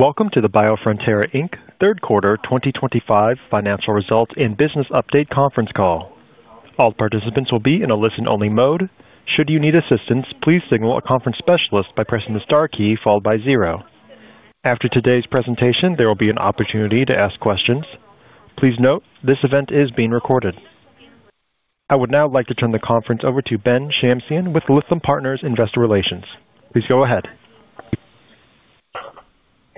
Welcome to the Biofrontera Inc Third Quarter 2025 Financial Results and Business Update Conference Call. All participants will be in a listen-only mode. Should you need assistance, please signal a conference specialist by pressing the star key followed by zero. After today's presentation there will be an opportunity to ask questions. Please note this event is being recorded. I would now like to turn the conference over to Ben Shamsian with Lytham Partners investor relations. Please go ahead.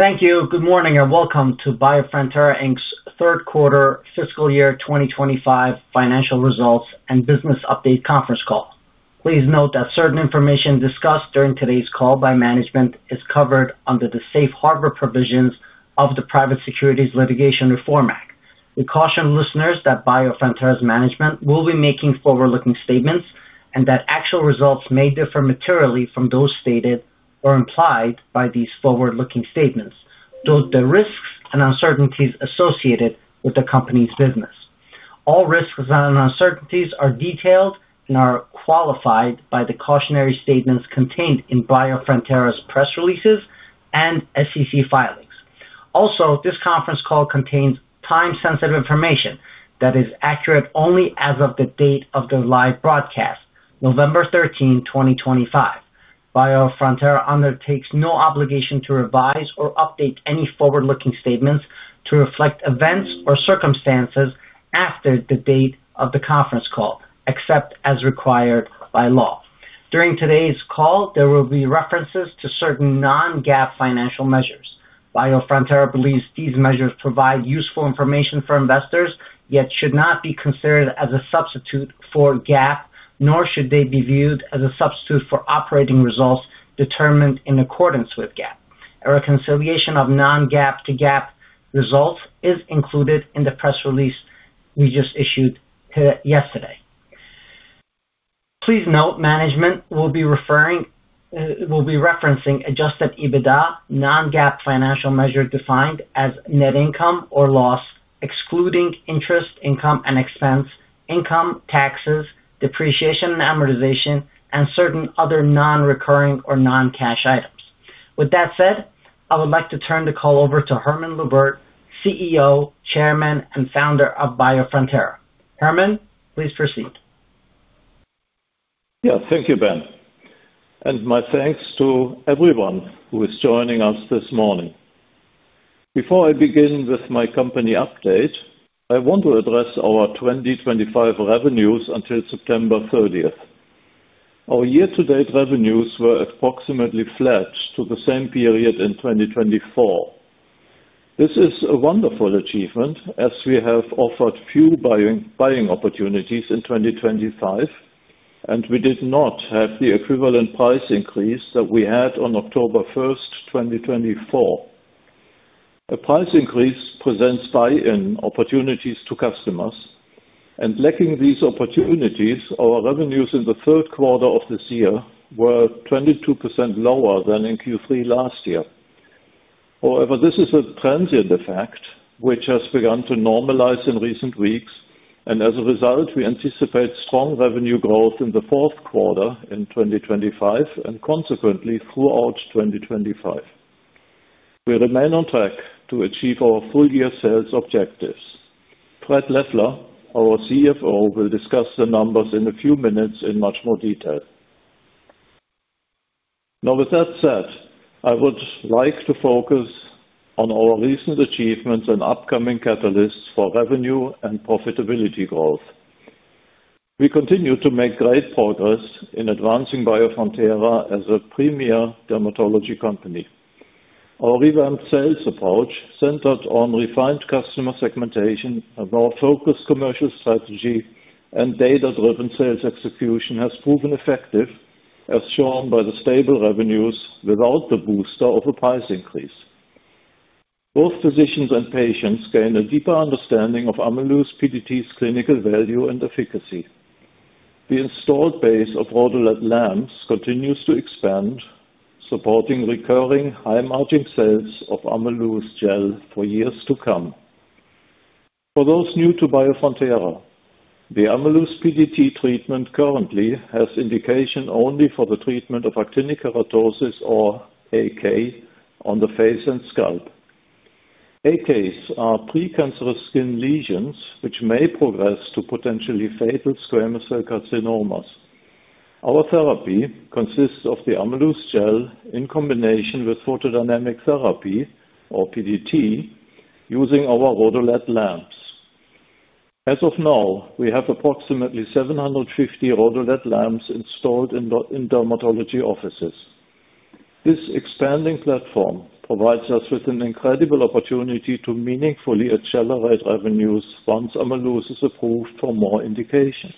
Thank you. Good morning and welcome to Biofrontera's third quarter fiscal year 2025 financial results and Business Update Conference Call. Please note that certain information discussed during today's call by management is covered under the safe harbor provisions of the Private Securities Litigation Reform Act. We caution listeners that Biofrontera's management will be making forward looking statements and that actual results may differ materially from those stated or implied by these forward looking statements due to the risks and uncertainties associated with the company's business. All risks and uncertainties are detailed and are qualified by the cautionary statements contained in Biofrontera's press releases and SEC filings. Also, this conference call contains time sensitive information that is accurate only as of the date of the live broadcast, November 13, 2025. Biofrontera undertakes no obligation to revise or update any forward looking statements to reflect events or circumstances after the date of the conference call except as required by law. During today's call there will be references to certain non-GAAP financial measures. Biofrontera believes these measures provide useful information for investors including yet should not be considered as a substitute for GAAP, nor should they be viewed as a substitute for operating results determined in accordance with GAAP. A reconciliation of non-GAAP to GAAP results is included in the press release we just issued yesterday. Please note, Management will be referencing adjusted EBITDA, a non-GAAP financial measure defined as net income or loss excluding interest, income and expense, income taxes, depreciation and amortization and certain other non-recurring or non-cash items. With that said, I would like to turn the call over to Hermann Luebbert, CEO, Chairman and Founder of Biofrontera. Hermann, please proceed. Yeah, thank you Ben and my thanks to everyone who is joining us this morning. Before I begin with my company update, I want to address our 2025 revenues. Until September 30, our year to date revenues were approximately flat to the same period in 2024. This is a wonderful achievement as we have offered few buying opportunities in 2025 and we did not have the equivalent price increase that we had on October 1, 2024. A price increase presents buy in opportunities to customers and lacking these opportunities, our revenues in the third quarter of this year were 22% lower than in Q3 last year. However, this is a transient effect which has begun to normalize in recent weeks and as a result we anticipate strong revenue growth in the fourth quarter in 2025 and consequently throughout 2025. We remain on track to achieve our full year sales objectives. Fred Leffler, our CFO, will discuss the numbers in a few minutes in much more detail now. With that said, I would like to focus on our recent achievements and upcoming catalysts for revenue and profitability growth. We continue to make great progress in advancing Biofrontera as a premier dermatology company. Our revamped sales approach centered on refined customer segmentation, a more focused commercial strategy and data-driven sales execution has proven effective as shown by the stable revenues. Without the booster of a price increase, both physicians and patients gained a deeper understanding of Ameluz PDT's clinical value and efficacy. The installed base of RhodoLED lamps continues to expand, supporting recurring high margin sales of Ameluz gel for years to come. For those new to Biofrontera, the Ameluz PDT treatment currently has indication only for the treatment of actinic keratosis or AK, on the face and scalp. AK's are precancerous skin lesions which may progress to potentially fatal squamous cell carcinomas. Our therapy consists of the Ameluz gel in combination with photodynamic therapy or PDT using our RhodoLED lamps. As of now, we have approximately 750 RhodoLED lamps installed in dermatology offices. This expanding platform provides us with an incredible opportunity to meaningfully accelerate avenues for once Ameluz is approved for more indications,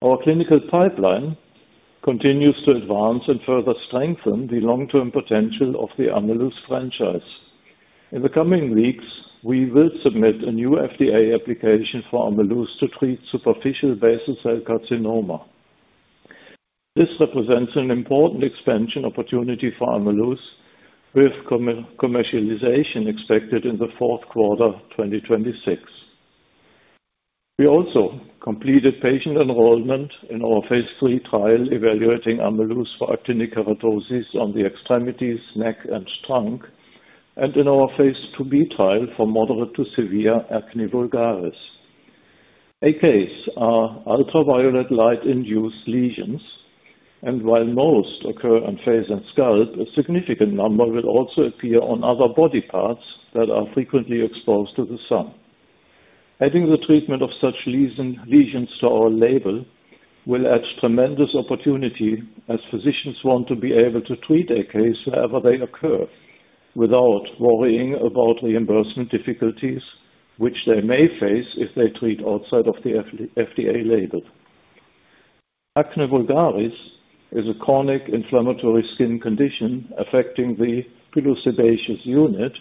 our clinical pipeline continues to advance and further strengthen the long term potential of the Ameluz franchise. In the coming weeks we will submit a new FDA application for Ameluz to treat superficial basal cell carcinoma. This represents an important expansion opportunity for Ameluz, with commercialization expected in the fourth quarter 2026. We also completed patient enrollment in our phase III trial evaluating Ameluz for actinic keratosis on the extremities, neck and trunk and in our phase IIb trial for moderate to severe acne vulgaris. AKs are ultraviolet light induced lesions and while most occur on face and scalp, a significant number will also appear on other body parts that are frequently exposed to the sun. Adding the treatment of such lesions to our label will add tremendous opportunity as physicians want to be able to treat a case wherever they occur without worrying about reimbursement difficulties which they may face if they treat outside of the FDA label. Acne vulgaris is a chronic inflammatory skin condition affecting the unit,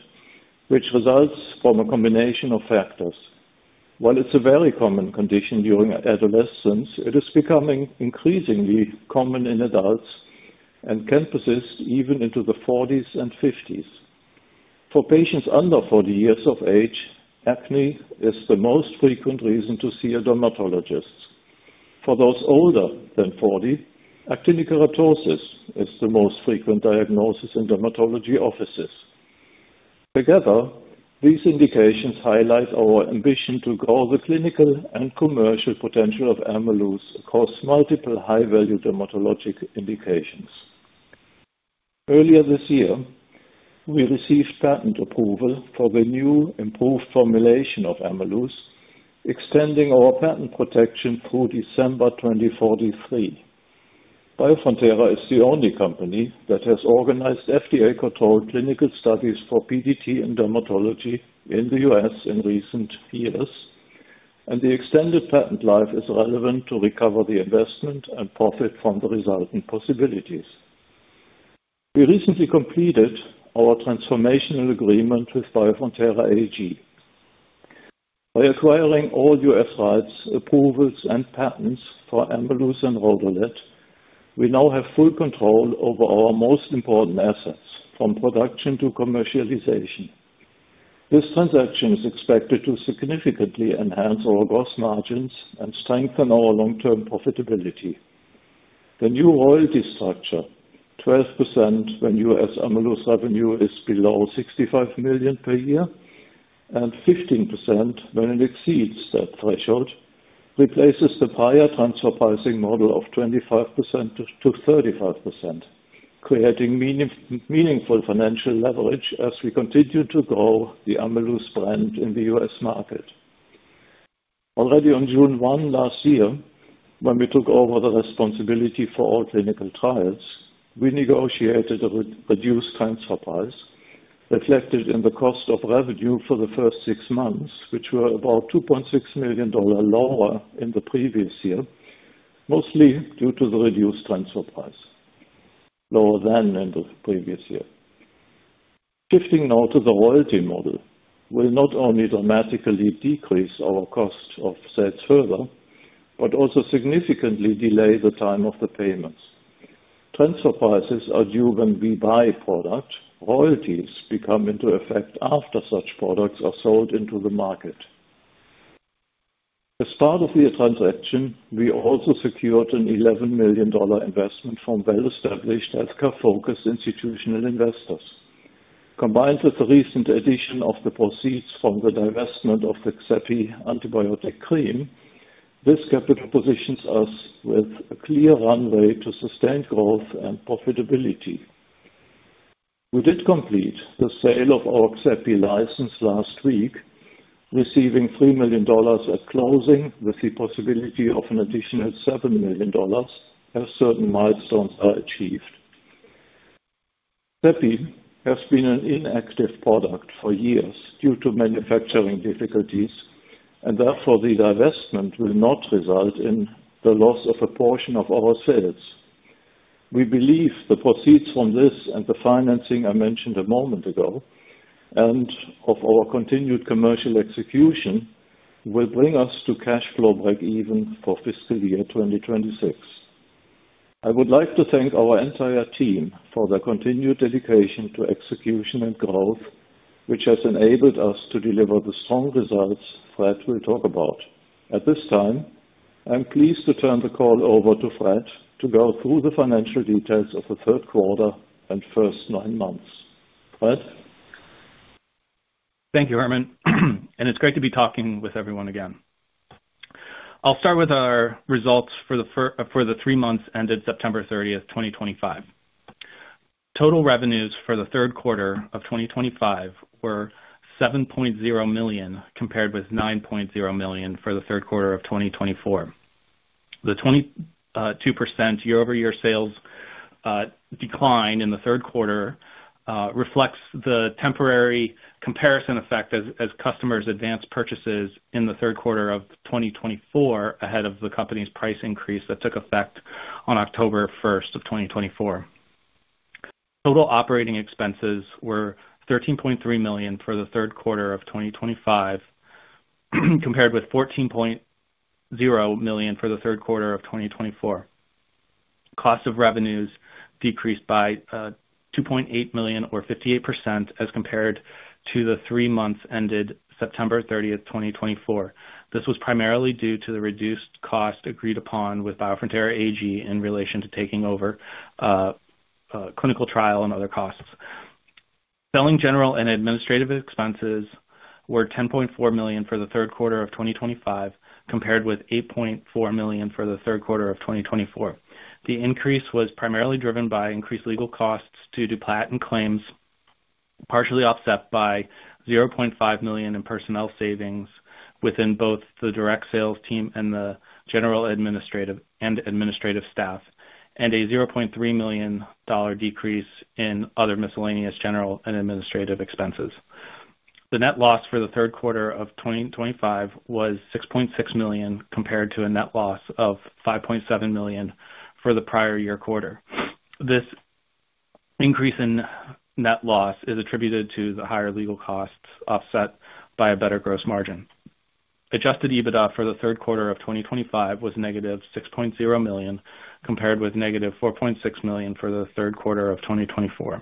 which results from a combination of factors. While it's a very common condition during adolescence, it is becoming increasingly common in adults and can persist even into the 40s and 50s. For patients under 40 years of age, acne is the most frequent reason to see a dermatologist. For those older than 40, actinic keratosis is the most frequent diagnosis in dermatology offices. Together, these indications highlight our ambition to grow the clinical and commercial potential of Ameluz across multiple high value dermatologic indications. Earlier this year we received patent approval for the new improved formulation of Ameluz, extending our patent protection through December 2043. Biofrontera is the only company that has organized FDA controlled clinical studies for PDT and dermatology in the U.S. in recent years and the extended patent life is relevant to recover the investment and profit from the resulting possibilities. We recently completed our transformational agreement with Biofrontera AG. By acquiring all U.S. rights, approvals and patents for Ameluz and RhodoLED, we now have full control over our most important assets from production to commercialization. This transaction is expected to significantly enhance our gross margins and strengthen our long term profitability. The new royalty structure, 12% when U.S. Ameluz revenue is below $65 million per year and 15% when it exceeds that threshold, replaces the prior transfer pricing model of 25%-35%, creating meaningful financial leverage as we continue to grow the Ameluz brand in the U.S. market. Already on June 1 last year when we took over the responsibility for all clinical trials, we negotiated a reduced transfer price reflected in the cost of revenue for the first six months, which were about $2.6 million lower than in the previous year, mostly due to the reduced transfer price lower than in the previous year. Shifting now to the royalty model will not only dramatically decrease our cost of sales further, but also significantly delay the time of the payments. Transfer prices are due when we buy product. Royalties become into effect after such products are sold into the market. As part of the transaction, we also secured an $11 million investment from well established healthcare focused institutional investors. Combined with the recent addition of the proceeds from the divestment of the Xepi antibiotic cream, this capital positions us with a clear runway to sustained growth and profitability. We did complete the sale of Xepi license last week, receiving $3 million at closing with the possibility of an additional $7 million as certain milestones are achieved. Xepi has been an inactive product for years due to manufacturing difficulties and therefore the divestment will not result in the loss of a portion of our sales. We believe the proceeds from this and the financing I mentioned a moment ago and of our continued commercial execution will bring us to cash flow breakeven for fiscal year 2026. I would like to thank our entire team for their continued dedication to execution and growth which has enabled us to deliver the strong results Fred will talk about at this time. I'm pleased to turn the call over to Fred to go through the financial details of the third quarter and first nine months. Fred. Thank you Hermann and it's great to be talking with everyone again. I'll start with our results for the three months ended September 30, 2025. Total revenues for the third quarter of 2025 were $7.0 million, compared with $9.0 million for the third quarter of 2024. The 22% year-over-year sales decline in the third quarter reflects the temporary comparison effect as customers advanced purchases in the third quarter of 2024 ahead of the company's price increase that took effect on October 1 of 2024. Total operating expenses were $13.3 million for the third quarter of 2025 compared with $14 million for the third quarter of 2024. Cost of revenues decreased by $2.8 million, or 58%, as compared to the three months ended September 30, 2024. This was primarily due to the reduced cost agreed upon with Biofrontera AG in relation to taking over clinical trial and other costs. Selling, general and administrative expenses were $10.4 million for the third quarter of 2025 compared with $8.4 million for the third quarter of 2024. The increase was primarily driven by increased legal costs due to platinum claims, partially offset by $0.5 million in personnel savings within both the direct sales team and the general and administrative staff, and a $0.3 million decrease in other miscellaneous general and administrative expenses. The net loss for the third quarter of 2025 was $6.6 million compared to a net loss of $5.7 million for the prior year quarter. This increase in net loss is attributed to the higher legal costs offset by a better gross margin. Adjusted EBITDA for the third quarter of 2025 was negative $6.0 million compared with -$4.6 million for the third quarter of 2024.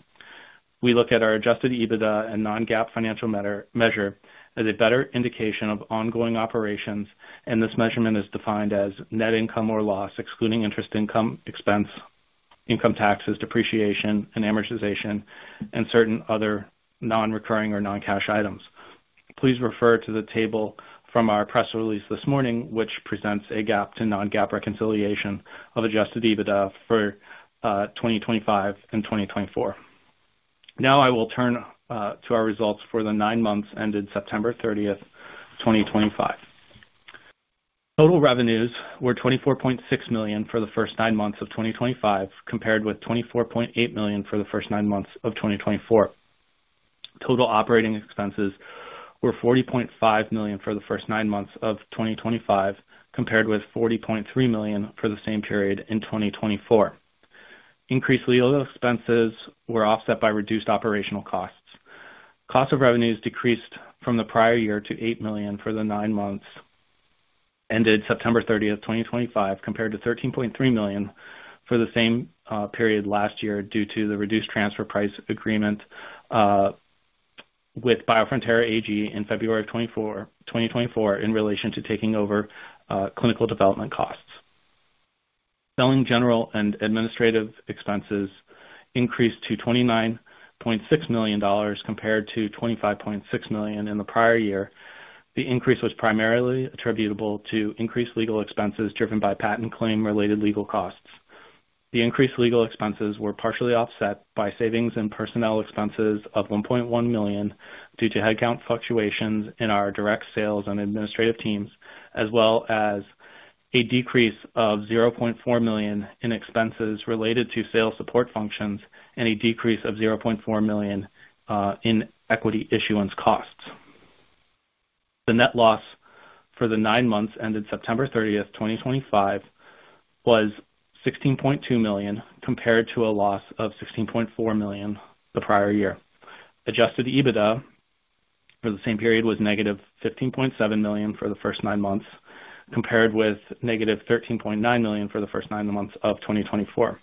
We look at our adjusted EBITDA and non-GAAP financial measure as a better indication of ongoing operations and this measurement is defined as net income or loss excluding interest income expense, income taxes, depreciation and amortization and certain other non-recurring or non-cash items. Please refer to the table from our press release this morning which presents a GAAP to non-GAAP reconciliation of adjusted EBITDA for 2025 and 2024. Now I will turn to our results for the nine months ended September 30th, 2025. Total revenues were $24.6 million for the first nine months of 2025 compared with $24.8 million for the first nine months of 2024. Total operating expenses were $40.5 million for the first nine months of 2025 compared with $40.3 million for the same period in 2024. Increased legal expenses were offset by reduced operational costs. Cost of revenues decreased from the prior year to $8 million for the nine months ended September 30, 2025 compared to $13.3 million for the same period last year due to the reduced transfer price agreement with Biofrontera AG in February of 2024 in relation to taking over clinical development costs. Selling, general and administrative expenses increased to $29.6 million compared to $25.6 million in the prior year. The increase was primarily attributable to increased legal expenses driven by patent claim related legal costs. The increased legal expenses were partially offset by savings in personnel expenses of $1.1 million due to headcount fluctuations in our direct sales and administrative teams, as well as a decrease of $0.4 million in expenses related to sales support functions and a decrease of $0.4 million in equity issuance costs. The net loss for the nine months ended September 30, 2025 was $16.2 million compared to a loss of $16.4 million the prior year. Adjusted EBITDA for the same period was -$15.7 million for the first nine months compared with -$13.9 million for the first nine months of 2024.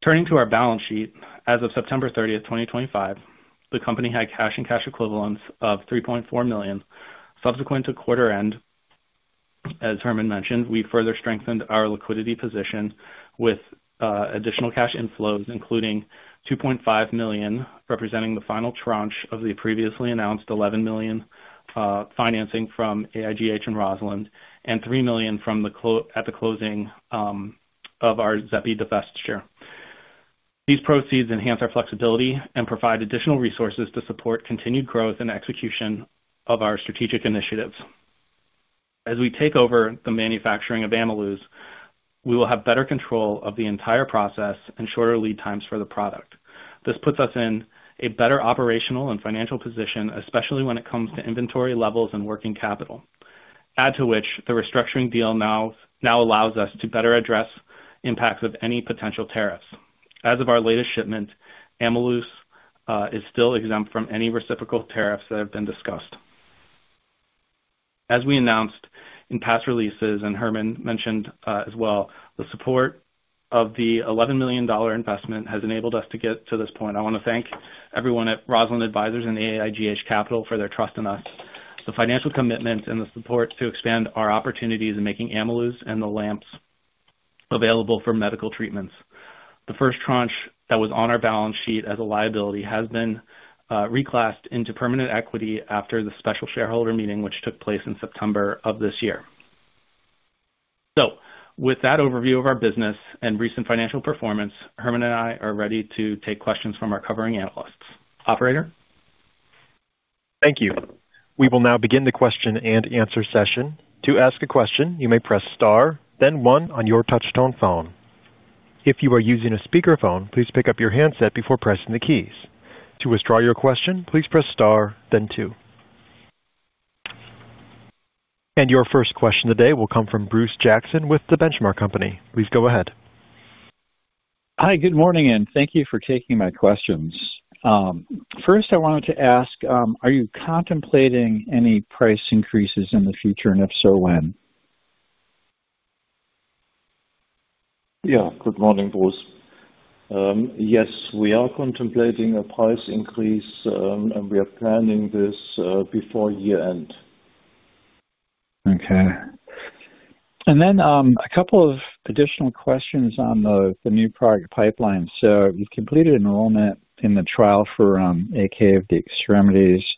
Turning to our balance sheet, as of September 30, 2025 the company had cash and cash equivalents of $3.4 million subsequent to quarter end. As Hermann mentioned, we further strengthened our liquidity position with additional cash inflows including $2.5 million representing the final tranche of the previously announced $11 million financing from AIGH Capital and Rosalind Advisors and $3 million from the at the closing of our Xepi divest share. These proceeds enhance our flexibility and provide additional resources to support continued growth and execution of our strategic initiatives as we take over the manufacturing of Ameluz we will have better control of the entire process and shorter lead times for the product. This puts us in a better operational and financial position, especially when it comes to inventory levels and working capital. Add to which the restructuring deal now allows us to better address impacts of any potential tariffs. As of our latest shipment, Ameluz is still exempt from any reciprocal tariffs that have been discussed. As we announced in past releases and Hermann mentioned as well, the support of the $11 million investment has enabled us to get to this point. I want to thank everyone at Rosalind Advisors and AIGH Capital for their trust in us, the financial commitment and the support to expand our opportunities in making Ameluz and the lamps available for medical treatments. The first tranche that was on our balance sheet as a liability has been reclassed into permanent equity after the special shareholder meeting which took place in September of this year. With that overview of our business and recent financial performance, Hermann and I are ready to take questions from our covering analysts. Operator. Thank you. We will now begin the question and answer session. To ask a question, you may press star then one on your touchtone phone. If you are using a speakerphone, please pick up your handset before pressing the keys. To withdraw your question, please press star then two. Your first question today will come from Bruce Jackson with The Benchmark Company. Please go ahead. Hi, good morning and thank you for taking my questions. First I wanted to ask, are you contemplating any price increases in the future and if so, when? Yeah, good morning, Bruce. Yes, we are contemplating a price increase and we are planning this before year end. Okay. A couple of additional questions on the new product pipeline. You've completed enrollment in the trial for AK of the extremities.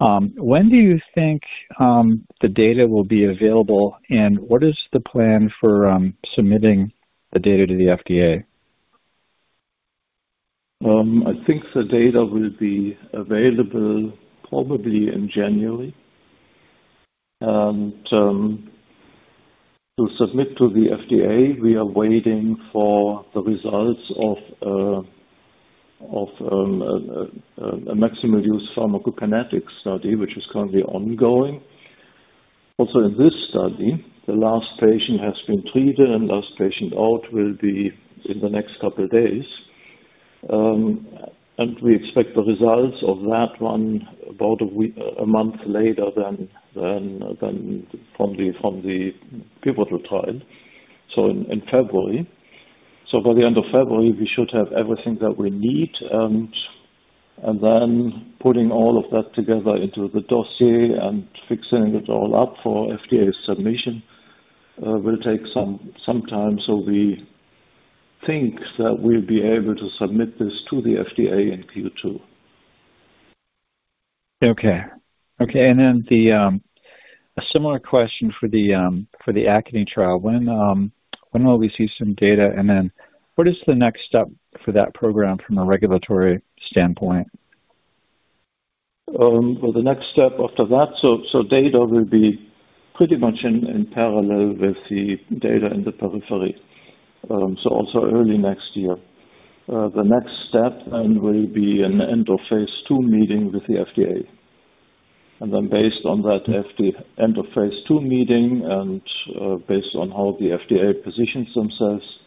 When do you think the data will be available and what is the plan for submitting the data to the FDA? I think the data will be available probably in January. To submit to the FDA, we are waiting for the results of a maximal use pharmacokinetics study which is currently ongoing. Also in this study, the last patient has been treated and last patient out will be in the next couple of days. We expect the results of that one about a month later than from the pivotal trial, so in February. By the end of February we should have everything that we need and then putting all of that together into the dossier and fixing it all up for FDA submission will take some time. We think that we'll be able to submit this to the FDA in Q2. Okay. And then the similar question for the, for the acne trial, when will we see some data and then what is the next step for that program from a regulatory standpoint? The next step after that. Data will be pretty much in parallel with the data in the periphery. Also early next year, the next step then will be an end of phase II meeting with the FDA. Then based on that end of phase II meeting and based on how the FDA positions themselves,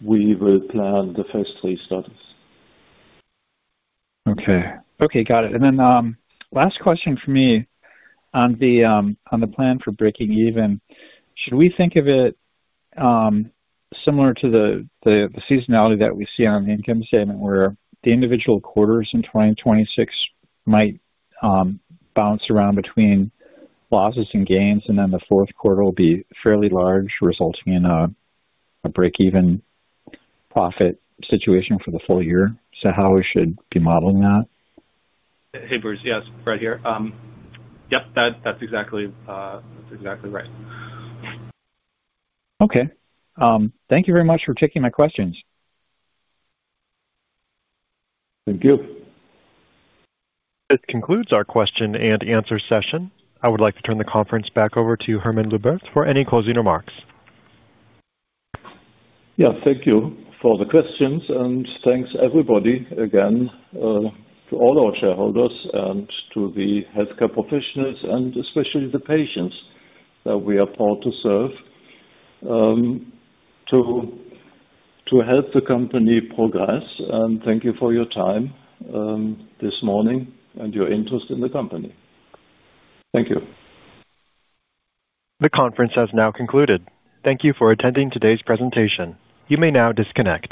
we plan the phase III studies. Okay. Okay, got it. Last question for me on the plan for breaking even, should we think of it similar to the seasonality that we see on the income statement, where the individual quarters in 2026 might bounce around between losses and gains and then the fourth quarter will be fairly large, resulting in a break even profit situation for the full year. How should we be modeling that? Hey, Bruce. Yes, right here. Yeah, that's exactly right. Okay. Thank you very much for taking my questions. Thank you. This concludes our question and answer session. I would like to turn the conference back over to Hermann Luebbert for any closing remarks. Yes, thank you for the questions and thanks everybody again to all our shareholders and to the healthcare professionals and especially the patients that we are proud to serve to help the company progress. Thank you for your time this morning and your interest in the company. Thank you. The conference has now concluded. Thank you for attending today's presentation. You may now disconnect.